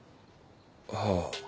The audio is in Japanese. はあ。